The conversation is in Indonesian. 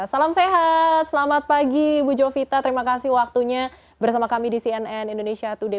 salam sehat selamat pagi bu jovita terima kasih waktunya bersama kami di cnn indonesia today